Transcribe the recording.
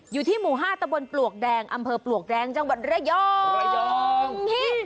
อยู่ที่หมู่๕ตะบนปลวกแดงอำเภอปลวกแดงจังหวัดระยองระยอง